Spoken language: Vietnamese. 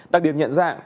đặc điểm nhận dạng